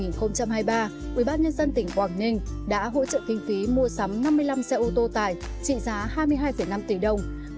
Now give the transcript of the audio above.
năm hai nghìn hai mươi ba ubnd tỉnh quảng ninh đã hỗ trợ kinh phí mua sắm năm mươi năm xe ô tô tải trị giá hai mươi hai năm tỷ đồng